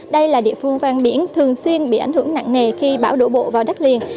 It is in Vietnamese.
đây là địa phương ven biển thường xuyên bị ảnh hưởng nặng nề khi bão đổ bộ vào đất liền